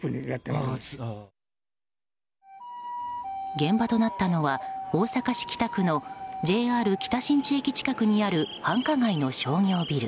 現場となったのは大阪市北区のＪＲ北新地駅近くにある繁華街の商業ビル。